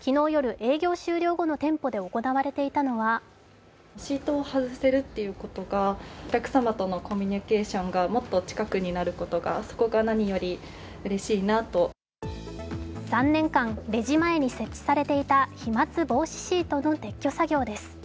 昨日夜、営業終了後の店舗で行われていたのは３年間レジ前に設置されていた飛まつ防止シートの撤去作業です。